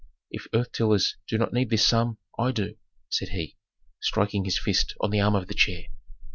"If earth tillers do not need this sum, I do," said he, striking his fist on the arm of the chair.